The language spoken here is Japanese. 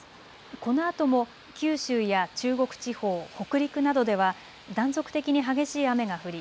このあとも九州や中国地方、北陸などでは断続的に激しい雨が降り